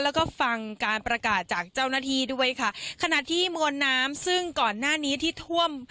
แล้วก็ฟังการประกาศจากเจ้าหน้าที่ด้วยค่ะขณะที่มวลน้ำซึ่งก่อนหน้านี้ที่ท่วม